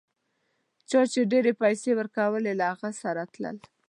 چا چي ډېرې پیسې ورکولې له هغه سره تلل.